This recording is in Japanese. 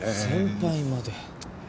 先輩まで。